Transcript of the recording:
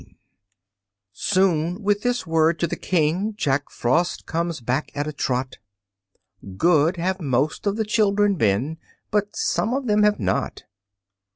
Soon with this word to the King Jack Frost comes back at a trot: "Good have most of the children been, But some of them have not."